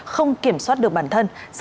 không kiểm soát được bản thân